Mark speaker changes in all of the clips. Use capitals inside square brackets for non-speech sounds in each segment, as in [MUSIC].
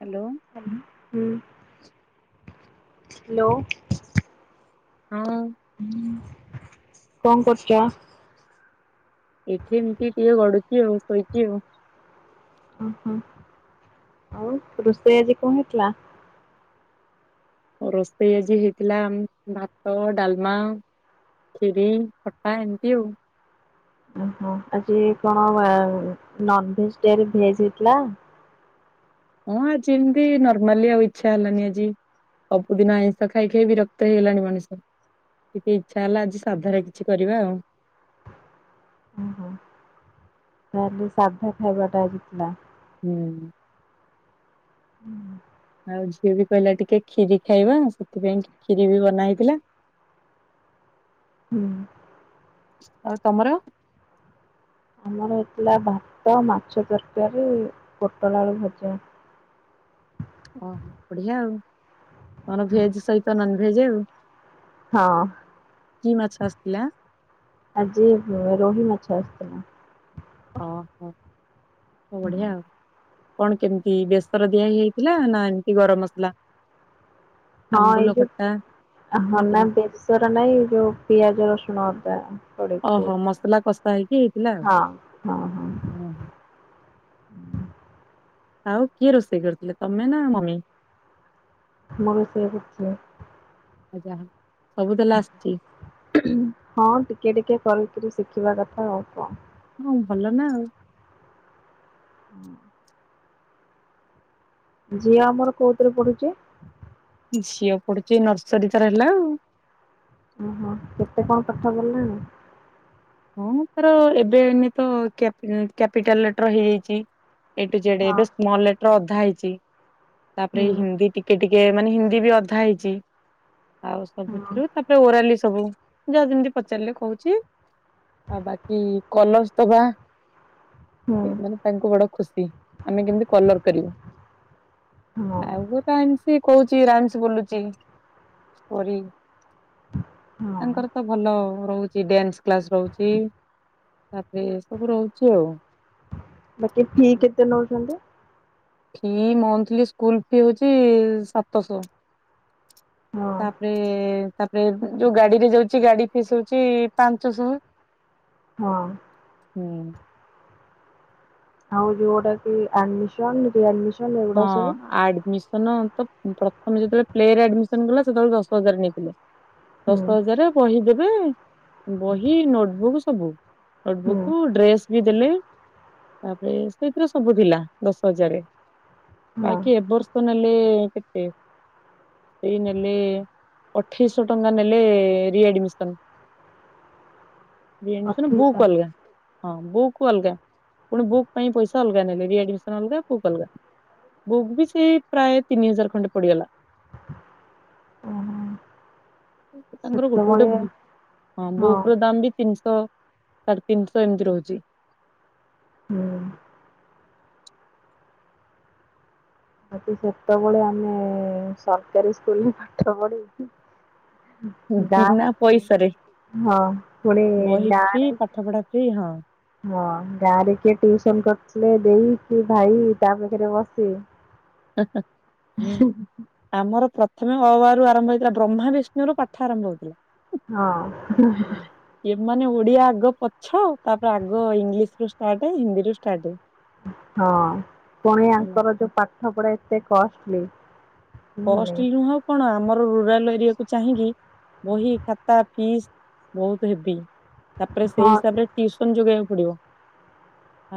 Speaker 1: Hello.
Speaker 2: Hello.
Speaker 1: ହଁ।
Speaker 2: କଅଁ କରୁଚ?
Speaker 1: ଏଇଠି ଏମତି ଟିକେ ଗଡୁଚି ଆଉ ଶୋଇଚି ଆଉ।
Speaker 2: ଅ ହଁ। ଆଉ ରୋଷେଇ ଆଜି କଅଁ ହେଇଥିଲା?
Speaker 1: ରୋଷେଇ ଆଜି ହେଇଥିଲା ଭାତ ଡାଲମା ଖିରି ଖଟା ଏମିତି ଆଉ।
Speaker 2: ଓହୋ। ଆଜି କଣ ନନଭେଜ ଡେ ରେ ଭେଜ ହେଇଥିଲା?
Speaker 1: ହଁ ଆଜି ଏମିତି ନର୍ମାଲି ଆଉ ଇଚ୍ଛା ହେଲାନି ଆଜି। ସବୁଦିନ ଆଇଁଷ ଖାଇ ଖାଇ ବିରକ୍ତ ହେଇଗଲାଣି ମଣିଷ। ଟିକେ ଇଚ୍ଛା ହେଲା ଆଜି ସାଧାରେ କିଛି କରିବା ଆଉ।
Speaker 2: ଓହୋ ତାଲେ ସାଧା ଖାଇବାଟା ଆଜିିଥିଲା।
Speaker 1: ହୁଁ।
Speaker 2: ହୁଁ।
Speaker 1: ଆଉ ଝିଅ ବି କହିଲା ଟିକେ କ୍ଷିରି ଖାଇବା ସେଥିପାଇଁ ଖିରି ବି ବନା ହେଇଥିଲା।
Speaker 2: ହୁଁ।
Speaker 1: ଆଉ ତମର।
Speaker 2: ଆମର ହେଇଥିଲା ଭାତ ମାଛ ତରକାରୀ ପୋଟଳ ଆଳୁ ଭଜା।
Speaker 1: ଓହୋ ବଢିଆ ଆଉ, ତମର ଭେଜ ସହିତ ନନଭେଜ ଆଉ।
Speaker 2: ହଁ।
Speaker 1: କି ମାଛ ଆସିଥିଲା?
Speaker 2: ଆଜି ରୋହି ମାଛ ଆସିଥିଲା।
Speaker 1: ଓହୋ ବଢିଆଉ। କଣ କେମିତି ବେସର ଦିଆ ହେଇଥିଲା ନା ଏମିତି ଗରମ ମସଲା?
Speaker 2: ହଁ ଏଇ
Speaker 1: ଆମ୍ବୁଲ ଖଟା
Speaker 2: ଯୋଉ ନା ବେସର ନାଇଁ ଏଇ ଯୋଉ ପିଆଜ, ରସୁଣ, ଅଦା ପ ହଁ
Speaker 1: ଓହୋ ମସଲା କଷା ହେଇକି ହେଇଥିଲା ଆଉ।
Speaker 2: ହଁ ହଁ [UNINTELLIGIBLE]
Speaker 1: ହୁଁ ଆଉ କିଏ ରୋଷେଇ କରିଥିଲେ, ତମେ ନା ମମି?
Speaker 2: ମମି ସେଇ କରଛି। [INAUDIBLE]
Speaker 1: ଆଚ୍ଛା ସବୁ ତାହେଲେ ଆସିଛି।
Speaker 2: ହଁ ଟିକେ ଟିକେ କରିକିରି ଶିଖିବା କଥା ଆଉ କଣ।
Speaker 1: ହୁଁ ଭଲ ନା ଆଉ?
Speaker 2: ହୁଁ। ଝିଅ ଆମର କୋଉଥିରେ ପଢୁଛି?
Speaker 1: ଝିଅ ପଢୁଛି ନର୍ସରୀ ତାର ହେଲା ଆଉ।
Speaker 2: ଓହୋ କେତେ କଣ ପାଠ ଗଲାଣି?
Speaker 1: ହଁ ତାର ଏବେ ଏନ ତ କ୍ୟାପି କ୍ୟାପିଟାଲ ଲେଟର ହେଇଯାଇଛି। ଏ ଠୁ ଜେଡ
Speaker 2: ହଁ
Speaker 1: ଏବେ ସ୍ମଲ ଲେଟର ଅଧା ହେଇଛି, ତାପରେ
Speaker 2: ହୁଁ
Speaker 1: ଏଇ ହିନ୍ଦୀ ଟି ଟିକେ ଟିକେ ମାନେ ହିନ୍ଦୀ ବି ଅଧା ହେଇଛି, ଆଉ
Speaker 2: ହଁ
Speaker 1: ସବୁଥିରୁ ତା ଓରାଲି ସବୁ ଯାହା ଯେମିତି ପଚାରିଲେ କହୁଛି। ଆଉ ବାକି କଲର୍ସ ଦବା
Speaker 2: ହୁଁ
Speaker 1: ମାନେ ତାଙ୍କୁ ବଡ ଖୁସି। ଆମେ କେମତି କଲର କରିବୁ,
Speaker 2: ହଁ
Speaker 1: ଆଉ ଗୋ ମ୍ୟାମ ସେ କହୁଛି ରାମସ ବୋଲୁଛି, ଓରି ତାଙ୍କର
Speaker 2: ହଁ।
Speaker 1: ତ ଭଲ ରହୁଛି, ଡ୍ୟାନ୍ସ କ୍ଲାସ ରହୁ ଛି ତାପରେ ଏ ସବୁ ରହୁଛି ଆଉ।
Speaker 2: ବାକି କିଏ କେତେ ନଉଛନ୍ତି?
Speaker 1: ଫି ମନ୍ଥଲି ସ୍କୁଲ ଫି ହଉଛି ସାତଶହ।
Speaker 2: ହଁ
Speaker 1: ତାପରେ ତାପରେ ଯୋଉ ଗାଡିରେ ଯାଉଛି ଗାଡି ଫିସ୍ ହଉଛି ପାଞ୍ଚଶହ।
Speaker 2: ହଁ।
Speaker 1: ହୁଁ।
Speaker 2: ଆଉ ଯୋଉଟା କି ଆଡ଼ମିସନ ରିଆଡମିସ
Speaker 1: ହଁ ଆଡମିସ ସନ ଅତ ପ୍ରଥମେ ଯେତେବେଳେ ପ୍ଲେ ରେ ଆଡମିସନ କଲା, ସେତେବେଳେ ଦଶ ହଜାର ନେଇଥିଲେ।
Speaker 2: ହୁଁ
Speaker 1: ଦଶ ହଜାର ବହି ଦେବେ। ବହି, ନୋଟବୁକ୍ ସବୁ।
Speaker 2: ହୁଁ
Speaker 1: ନୋଟବୁକ୍ ଡ୍ରେସ ବି ଦେଲେ ତାପରେ ସେଇଥିରେ ସବୁ ଥିଲା, ଦଶ ହଜାରେ।
Speaker 2: ହଁ
Speaker 1: ବାକି ଏବର୍ଷ ନେଲେ କେତେ? ଏଇ ନେଲେ ଅଠେଇଶହ ଟଙ୍କା ନେଲେ ରିଆଡମିସନ।
Speaker 2: [UNINTELLIGIBLE]
Speaker 1: ରିଆଡମିସନ
Speaker 2: ଅଠେଇଶ
Speaker 1: ବୁକ୍ ଅଲଗା। ହଁ ବୁକ୍ ଅଲଗା, ପୁଣି ବୁକ୍ ପାଇଁ ପଇସା ଅଲଗା ନେବେ, ରିଡମିସନ ଅଲଗା ବୁକ୍ ଅଲଗା। ବୁକ୍ ବି ସେଇ ପ୍ରାୟ ତିନି ହଜାର ଖଣ୍ଡେ ପଡିଗଲା।
Speaker 2: ଉଁ।
Speaker 1: ତାଙ୍କର ଗୋଟେ ଗୋଟେ ବୁକ୍‌ ହଁ ବୁକ୍ ର ଦାମ ବି ତିନିଶହ ସାଢେ ତିନିଶହ ଏମିତି ରହୁଛି।
Speaker 2: ହୁଁ। ଆଜି କେତେବେଳେ ଆମେ ସରକାରୀ ସ୍କୁଲରେ ପାଠ ପଢି
Speaker 1: ବିନା
Speaker 2: ଗାଁ
Speaker 1: ପଇସାରେ
Speaker 2: ହଁ ପୁଣି ଗାଁ ରେ
Speaker 1: ପାଠପଢା ଫ୍ରି ହଁ।
Speaker 2: ହଁ ଗାଁରେ କିଏ ଟିଉସନ କରୁଥିଲେ ଦେଇ କି ଭାଇ ତା ପାଖରେ ବସିବେ।
Speaker 1: ହେଁ ହେଁ ହେଁ। ଆମର ପ୍ରଥମେ ଅ ଆ ରୁ ଆରମ୍ଭ ହେଇଥିଲା ବ୍ରହ୍ମା ବିଷ୍ଣୁ ରୁ ପାଠ ଆରମ୍ଭ ହଉଥିଲା।
Speaker 2: ହଁ।
Speaker 1: ଏ ମାନେ ଓଡିଆ ଆଗ ପଛ ତାପରେ ଆଗ ଇଂଲିଶ ରୁ ଷ୍ଟାର୍ଟ ହିନ୍ଦୀରୁୁ ଷ୍ଟାର୍ଟ।
Speaker 2: ହଁ ପୁଣି ଆଙ୍କର ଯୋଉ ପାଠ ପଢା ଏତେ କଷ୍ଟଲି। କୁହନି
Speaker 1: କଷ୍ଟଲି ନୁହ ଆଉ କଣ ଆମର ରୁରାଲ ଏରିଆକୁ ଚାହିଁକି ବହି ଖାତା ଫିସ୍ ବହୁତ୍ ହେବି ତାପରେ ସେଇ
Speaker 2: ହଁ
Speaker 1: ହିସାବରେ ଟିଉସନ୍ ଯୋଗାଇଆକୁ ପଡିବ।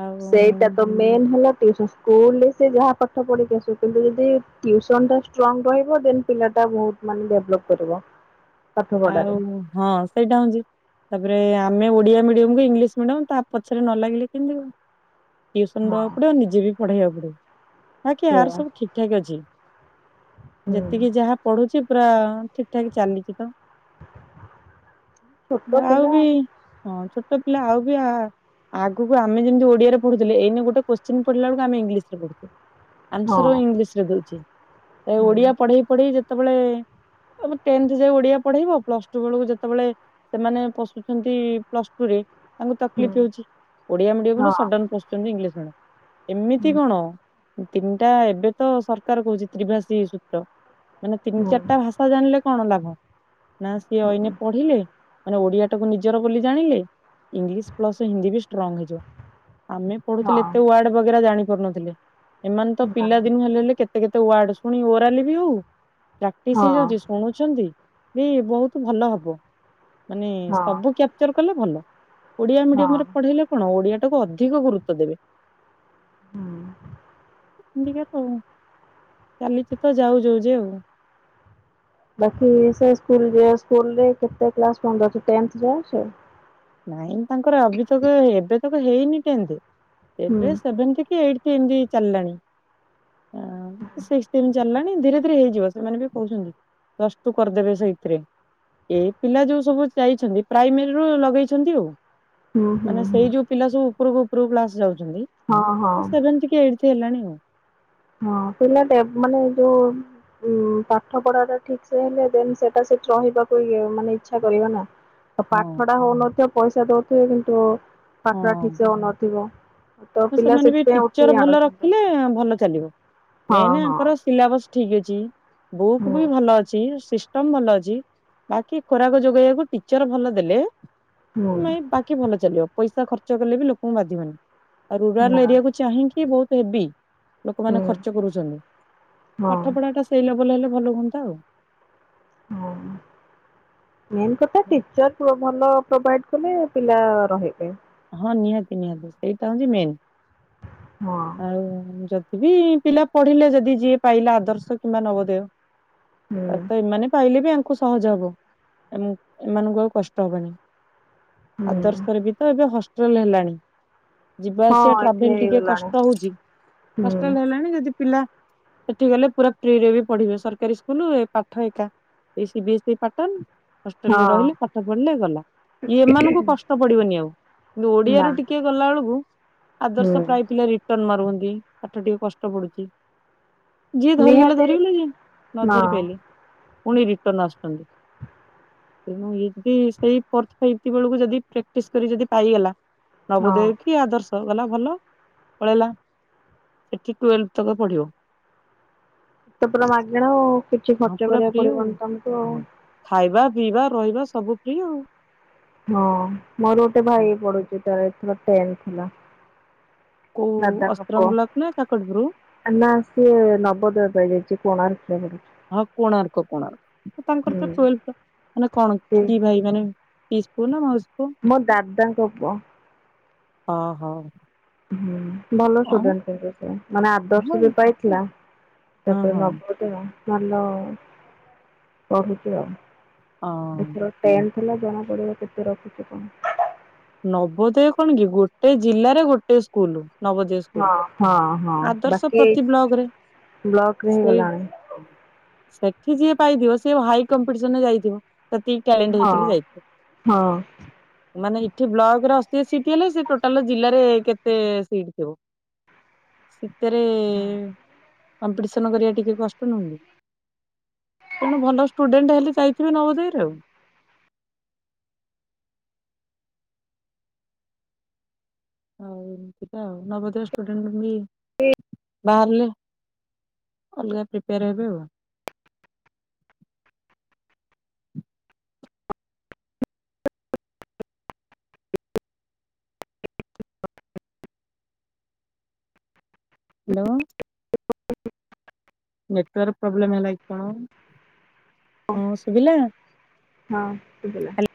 Speaker 1: ଆଉ
Speaker 2: ସେଇଟା ତ ମେନ୍ ହେଲା ଟିଉସନ୍ ସ୍କୁଲରେ ସେ ଯାହା ପାଠ ପଢିକି ଆସୁ କିନ୍ତୁ ଯଦି ଟିୁସନ୍ ଟା ଷ୍ଟ୍ରଙ୍ଗ ରହିବ ଦେନ୍ ପିଲା ଟା ବହୁତ୍ ମାନେ ଡେଭଲପ୍ କରିବ। ପାଠ
Speaker 1: ଆଉ
Speaker 2: ପଢାରେ
Speaker 1: ହଁ ସେଇଟା ହଉଛି ତାପରେ ଆମେ ଓଡିଆ ମିଡିୟମକୁ ଇଂଲିଶ ମିଡିୟମ ତା ପଛରେ ନ ଲାଗିଲେ କେମିତି ହବ। ଟିଉସନ୍‌
Speaker 2: ହଁ
Speaker 1: ଦବାକୁ ପଡିବ ନିଜେ ବି ପଢେଇବାକୁ ପଡିବ। ବାକି ଆର
Speaker 2: ସେଇଆ
Speaker 1: ସବୁ ଠିକ୍ ଠାକ୍ ଅଛି
Speaker 2: ହୁଁ
Speaker 1: ଯେତିକି ଯାହା ପଢୁଛି ପୁରା ଠିକ୍ ଠାକ୍ ଚାଲିଛି ତ।
Speaker 2: ଛୋଟ
Speaker 1: ଯାହା ଆଉ
Speaker 2: ପିଲା
Speaker 1: ବି ହଁ ଛୋଟ ପିଲା ଆଉ ବି ଆ ଆଗକୁ ଆମେ ଯେମିତି ଓଡ଼ିଆରେ ପଢୁଥିଲେ ଏଇନେ ଗୋଟେ କୋଶ୍ଚିନ ପଢିଲା ବେଳକୁ ଆମେ ଇଂଲିଶରେ ପଢୁଛେ।
Speaker 2: ହଁ
Speaker 1: ଆନ୍ସର ଇଂଲିଶ ରେ ଦଉଚେ
Speaker 2: ହୁଁ
Speaker 1: ଓଡିଆ ପଢେଇ ପଢେଇ ଯେ ସେତେବେଳେ ଆମେ ଟେନ୍ଥ ଯାକେ ଓଡିଆ ପଢେଇବ ପ୍ଲସ ଟୁ ବେଳକୁ ଯେତେବେଳେ ସେମାନେ ପଶୁଛନ୍ତି ପ୍ଲସ ଟୁ ରେ ତାଙ୍କୁ
Speaker 2: ହୁଁ
Speaker 1: ତକଲିଫ ହେଉଛି ଓଡିଆ ମିଡିୟମ
Speaker 2: ହଁ
Speaker 1: ରୁ ସଡନ ପଶୁଛନ୍ତି ଇଂଲିଶ ମିଡିଅମ। ଏମିତି
Speaker 2: ହୁଁ
Speaker 1: କଣ ତିନିଟା ଏବେ ତ ସରକାର କହୁଛି ତ୍ରିଭାଷୀ ସୂତ୍ର ମାନେ ତିନି
Speaker 2: ହୁଁ
Speaker 1: ଚାରିଟା ଭାଷା ଜାଣିଲେ କଣ ଲାଭ। ନା ସିଏ
Speaker 2: ହୁଁ
Speaker 1: ଅଇନେ ପଢିଲେ ମାନେ ଓଡିଆ ତାକୁ ନିଜର ବୋଲି ଜାଣିଲେ ଇଂଲିଶ ପ୍ଲସ ହିନ୍ଦୀ ବି ଷ୍ଟ୍ରଙ୍ଗ ହେଇଯିବ। ଆମେ ପଢୁଥିଲେ ଏତେ
Speaker 2: ହଁ
Speaker 1: ୱାର୍ଡ ବଗେରା ଜାଣି ପାରୁନଥିଲେ ଏମାନେ ତ
Speaker 2: ହଁ
Speaker 1: ପିଲାଦିନୁ ହେଲେ ହେଲେ କେତେ କେତେ କେତେ ୱାର୍ଡ ଶୁଣି ଓରାଲି ବି ହଉ ପ୍ରାକ୍ଟିସ୍
Speaker 2: ହଁ
Speaker 1: ହେଇଯାଉଛି ଶୁଣୁଚନ୍ତି ଭି ବହୁତ ଭଲ ହବ ମାନେ
Speaker 2: ହଁ
Speaker 1: ସବୁ କ୍ୟାପଚର କଲେ ଭଲ। ଓଡ଼ିଆ
Speaker 2: ହଁ
Speaker 1: ମିଡିୟମରେ ପଢେଇିଲେ କଣ ଓଡ଼ିଆଟାକୁ ଅଧିକ ଗୁରୁତ୍ୱ ଦେବେ।
Speaker 2: ହୁଁ।
Speaker 1: ହିନ୍ଦି ରେ କୁହ ଚାଲିଛି ତ ଯାଉ ଯଉ ଯାଏ ଆଉ।
Speaker 2: ବାକି ସେ ସ୍କୁଲ ଯା ସ୍କୁଲ ରେ କେତେ କ୍ଲାସ୍ ପନ୍ଦରସ୍‌ ଟେନ୍ଥ ଯାଏ ଟେନ୍ଥ।
Speaker 1: ନାଇ ତାଙ୍କର ଅଭିଯୋଗ ଏବେ ତକ ହେଇନି ଟେନ୍ଥ
Speaker 2: ହୁଁ
Speaker 1: ଏବେ ସେଭେନ୍ଥ କି ଏଇଟ୍‌ ଏମତି ଚାଲଲାଣି ଆଉ ସିକ୍ଟିନ ଚାଲିଲାଣି ଧୀରେ ଧୀରେ ହେଇଯିବ। ସେମାନେ ବି କହୁଛନ୍ତି ପ୍ଲସଟୁ କରିଦେବେ ସେଇଥିରେ। ଏ ପିଲା ଯୋଉ ସବୁ ଯାଇଛନ୍ତି ପ୍ରାଇମେରୀରୁୁ ଲଗେଇ ଛନ୍ତି ଆଉ
Speaker 2: ହୁଁ ହୁଁ
Speaker 1: ମାନେ
Speaker 2: ହୁଁ
Speaker 1: ସେଇ ଯୋଉ ପିଲା ସବୁ ଉପରକୁ ଉପରକୁ କ୍ଲାସ ଯାଉଛନ୍ତି
Speaker 2: ହଁ ହଁ
Speaker 1: ସେଭେନ୍ଥ କି ଏଇଟି ହେଲାଣି ଆଉ।
Speaker 2: ହଁ ପିଲା ଟେ ମାନେ ଯୋଉ ଉଁ ପାଠ ପଢା ଟା ଠିକ ସେ ହେଲେ ଦେନ ସେଟା ସେଠି ରହିବାକୁ ଇ ମାନେ ଇଚ୍ଛା କରିବ ନା। ପାଠ
Speaker 1: ହଁ।
Speaker 2: ଟା ହଉନଥିବ ପଇସା ଦଉଥିବେ କିନ୍ତୁ ପାଠ ଟା
Speaker 1: ହଁ
Speaker 2: ଠିକ ସେ ହଉନଥିବ। ତ ପିଲା
Speaker 1: ସେମାନେ ବି
Speaker 2: ସେଥିପାଇଁ
Speaker 1: ଟିଚର
Speaker 2: ଉଠେଇ
Speaker 1: ଭଲ
Speaker 2: ଆଣୁଛନ୍ତି
Speaker 1: ରଖିଲେ ଭଲ ଚାଲିବ
Speaker 2: ହଁ
Speaker 1: ମେନେ
Speaker 2: ହଁ
Speaker 1: ଆଙ୍କର ସିଲାବସ ଠିକ୍ ଅଛି ବୁକୁ
Speaker 2: ହୁଁ
Speaker 1: ବି ଭଲ ଅଛି ସିସ ଟମ୍ ଭଲ ଅଛି ବାକି ଖୋରାକ ଯୋଗେଇବାକୁ ଟିଚର ଭଲ ଦେଲେ।
Speaker 2: ହୁଁ
Speaker 1: ନାଇ ବାକି ଭଲ ଚାଲିବ ପଇସା ଖର୍ଚ୍ଚ କଲେ ବି ଲୋକଙ୍କୁ ବାଧିବନି। ଆଉ ରୁରାଲ
Speaker 2: ନା
Speaker 1: ଏରିଆ କୁ ଚାହିଁକି ବହୁତ ହେବି।
Speaker 2: ହୁଁ
Speaker 1: ଲୋକମାନେ ଖର୍ଚ୍ଚ କରୁଛନ୍ତି
Speaker 2: ହଁ
Speaker 1: ପାଠ ପଢା ଟା ସେଇ ଲେବୁଲ ହେଲେ ଭଲ ହୁଅନ୍ତା ଆଉ।
Speaker 2: ହ ମେନ୍ କଥା ଟିଚର ଭଲ ପ୍ରୋଭାଇଡ୍ କଲେ ପିଲା ରହିବେ।
Speaker 1: ହଁ ନିହାତି ନିହାତି ସେଇଟା ହଉଛି ମେନ୍।
Speaker 2: ହଁ।
Speaker 1: ଆଉ ଯଦି ବିି ପିଲା ପଢିଲେ ଯଦି ଯିଏ ପାଇଲା ଆଦର୍ଶ କିମ୍ବା ନବଦୟ।
Speaker 2: ହୁଁ
Speaker 1: ତ ଏମାନେ ପାଇଲେ ବି ଆଙ୍କ କୁ ସହଜ ହବ ଏମାନଙ୍କୁ ଆଉ କଷ୍ଟ ହବନି
Speaker 2: ହୁଁ
Speaker 1: ଆଦର୍ଶରେ ବି ତ ହଷ୍ଟେଲ ହେଲାଣି। ଯିବା
Speaker 2: ହଁ
Speaker 1: ଆସିବା
Speaker 2: ଏଠି
Speaker 1: ଟ୍ରାଭେଲ ଟିକେ
Speaker 2: ହେଇଗଲାଣି
Speaker 1: କଷ୍ଟ ହଉଛି
Speaker 2: ହୁଁ
Speaker 1: ହଷ୍ଟେଲ ହେଲାଣି ଯଦି ପିଲା ସେଠିକି ଗଲେ ପୁରା ଫ୍ରୀରେ ବି ପଢିବେ ସରକାରୀ ସ୍କୁଲ ପାଠ ଏକା। ଏଇ ସିବିଏସଇ ପାର୍ଟନ। ହଷ୍ଟେଲ ରେ ରହିଲେ
Speaker 2: ହଁ
Speaker 1: ପାଠ ପଢିଲେ ଗଲା ଇଏ ଏମାନଙ୍କୁ କଷ୍ଟ ପଡିବନି ଆଉ। କିନ୍ତୁ ଓଡିଆ
Speaker 2: ନା
Speaker 1: ରୁ ଟିକେ ଗଲା ବେଳକୁ
Speaker 2: ହୁଁ
Speaker 1: ଆଦର୍ଶ ପ୍ରାୟପିଲା ଟନ୍ ମାରୁସନ୍ତି ପାଠ ଟିକେ କଷ୍ଟ ପଡୁଛି। ଯିଏ ଧରିଗଲା
Speaker 2: ନିହାତି
Speaker 1: ଧରିଗଲା ଯିଏ ନ
Speaker 2: ହଁ
Speaker 1: ଧରି ପାଇଲେ ପୁଣି ରିଟର୍ଣ ଆସୁଛନ୍ତି। [UNINTELLIGIBLE] ସେଇ ବେଳକୁ ଯଦି ପ୍ରାକ୍ଟିସ କରି ଯଦି ପାଇଗଲା
Speaker 2: ହଁ
Speaker 1: ନବଦୟ କି ଆଦର୍ଶ ଗଲା ଭଲ ପଳେଇଲା ଏଠି ଟୁଏଲଥ୍ ତକ ପଢିବ।
Speaker 2: ଟୋଟାଲ ପୁରା ମାଗେଣା ଆଉ କିଛି
Speaker 1: ହଁ
Speaker 2: ଖର୍ଚ୍ଚ
Speaker 1: ପୁରା
Speaker 2: କରିବାକୁ
Speaker 1: ଫ୍ରି ଆଉ।
Speaker 2: ପଡିବନି ତମକୁ ଆଉ।
Speaker 1: ହଁ ଖାଇବା ପିଇବା ରହିବା ସବୁ ଫ୍ରି ଆଉ।
Speaker 2: ହଁ ମୋର ଗୋଟେ
Speaker 1: ହୁଁ।
Speaker 2: ଭାଇ ପଢୁଛି ତାର ଏଥର ଟେନ୍ଥ ଥିଲା।
Speaker 1: କୋଉ ଅସ୍ତ୍ରଙ୍ଗ ବ୍ଲକ ନା କାକଟପୁରୁ?
Speaker 2: ନା ସିଏ ନବଦୟ ପାଇଯାଇଛି କୋଣାର୍କ ରେ।
Speaker 1: ହଁ କୋଣାର୍କ କଣ ତାଙ୍କର
Speaker 2: ହୁଁ
Speaker 1: ଟୁୱେଥ ମାନେ କଣ
Speaker 2: ସେ
Speaker 1: କି ଭାଇ କଣ ପିସି ପୁଅ ନା ମାଉସୀ ପୁଅ?
Speaker 2: ମୋ ଦାଦା ଙ୍କ ପୁଅ।
Speaker 1: ହଁ ହଁ।
Speaker 2: ହୁଁ ଭଲ ଷ୍ଟୁଡେଣ୍ଟ କିନ୍ତୁ ମାନେ ଆଦର୍ଶ
Speaker 1: ହଁ
Speaker 2: ବି ପାଇଥିଲା
Speaker 1: ହଁ
Speaker 2: ତାପରେ
Speaker 1: ହଁ
Speaker 2: ନବ ଭଲ ପଢୁଛି ଆଉ [UNINTELLIGIBLE]
Speaker 1: ଅଁ
Speaker 2: ଏଥର ଟେନ ହେଲା ଜଣାପଡ଼ିବ କେତେ ରଖୁଛୁ କଣ?
Speaker 1: ନବୋଦୟ କଣ କି ଗୋଟେ ଜିଲ୍ଲାରେ ଗୋଟେ ସ୍କୁଲ ନବୋଦୟ
Speaker 2: ହଁ ହଁ ହଁ
Speaker 1: ଆଦର୍ଶ
Speaker 2: ବାକି ଏଇ
Speaker 1: ପ୍ରତି ବ୍ଲକରେ
Speaker 2: ବ୍ଲକରେ
Speaker 1: ସେଇ
Speaker 2: ହେଇଗଲାଣି।
Speaker 1: ସେଠି ଯିଏ ପାଇଥିବ ସିଏ ହାଇ କମ୍ପିଟିସନରେ ଯାଇଥିବ ସେତି ଟାଲେଣ୍ଟେ
Speaker 2: ହଁ
Speaker 1: ହେଇଥିଲି ଯାଇଥିଲି
Speaker 2: ହଁ
Speaker 1: ମାନେ ଏଠି ବ୍ଲକ୍ ରେ ଅଶି ସିଟି ହେଲେ ସେ ଟୋଟାଲେ ଜିଲ୍ଲାରେ କେତେ ସିଟ୍ ଥିବ? ସେତେରେ କମ୍ପିଟିସନ କରିବା ଟିକେ କଷ୍ଟ ନୁହୁଁକି ତଣୁ ଭଲ ଷ୍ଟୁଡେଣ୍ଟେ ହେଲେ ଯାଇ ଥିବେ ନବୋଦୟ ରେ‌ ଆଉ। ଆଉ ଦେଖିଆ ଆଉ ନବୋଦୟ ଷ୍ଟୁଡେଣ୍ଟ୍ ବି ବାହାରିଲେ ଅଲଗା ପ୍ରିପେୟାର ହେବେ ଆଉ। ହାଲୋ।
Speaker 2: [INAUDIBLE]
Speaker 1: ନେଟୱାର୍କ୍ ପ୍ରୋବ୍ଲେମ୍ ହେଲା କି କଣ ହଁ ଶୁବିଲା?
Speaker 2: ହଁ ଶୁବିଲା।